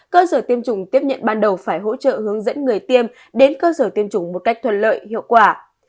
cơ sở tiêm chủng tiếp nhận ban đầu phải hỗ trợ hướng dẫn người tiêm đến cơ sở tiêm chủng một cách thuận lợi hiệu quả